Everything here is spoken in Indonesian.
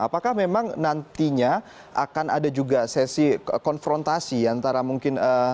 apakah memang nantinya akan ada juga sesi konfrontasi antara mungkin